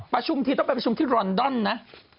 ประชุมทีต้องไปประชุมที่รอนดอนนะ